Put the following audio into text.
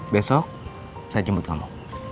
besok saya jemput kamu